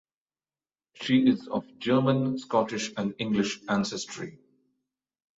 She is of German, Scottish, and English ancestry.